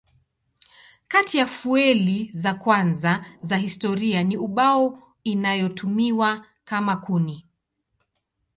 Kati ya fueli za kwanza za historia ni ubao inayotumiwa kama kuni.